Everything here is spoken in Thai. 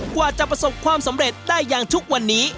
กว่าจะประสบความสำเร็จได้อย่างทุกวันนี้